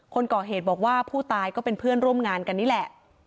คนก่อเหตุบอกว่าผู้ตายก็เป็นเพื่อนร่วมงานกันนี่แหละ